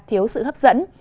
thiếu sự hấp dẫn